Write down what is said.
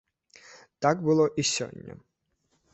Так было і сёння.